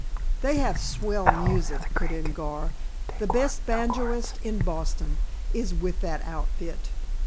"They have swell music," put in Gar. "The best banjoist in Boston is with that outfit."